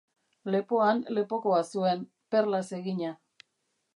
Lepoan lepokoa zuen, perlaz egina.